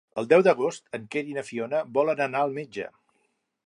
El deu d'agost en Quer i na Fiona volen anar al metge.